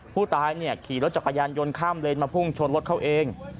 ผู้ตายขี่รถจักรยานยนต์ข้ามเลนมาพุ่งชนรถเขาเอง